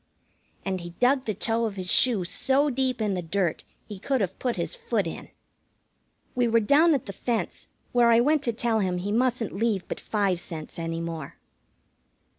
And he dug the toe of his shoe so deep in the dirt he could have put his foot in. We were down at the fence, where I went to tell him he mustn't leave but five cents any more.